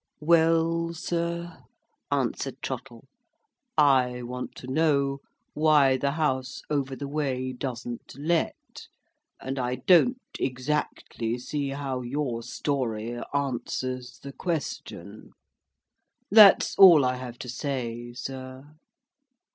"Well, sir," answered Trottle, "I want to know why the House over the way doesn't let, and I don't exactly see how your story answers the question. That's all I have to say, sir."